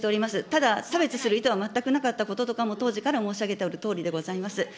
ただ、差別する意図は全くなかったこととかも当時から申し上げておるとおりでございます。